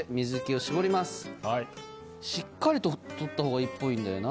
しっかりと取ったほうがいいっぽいんだよな。